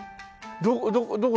どこ？